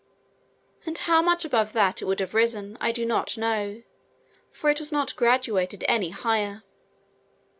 and how much above that it would have risen, I do not know, for it was not graduated any higher.